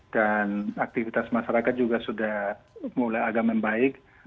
dan aktivitas masyarakat juga sudah mulai agak membaik